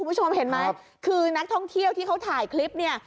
คุณผู้ชมเห็นไหมคือนักท่องเที่ยวต่อยคลิปเนี่ยครับ